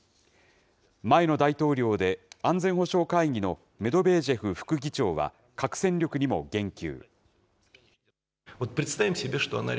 前の大統領で、安全保障会議のメドベージェフ副議長は、核戦力にも言及。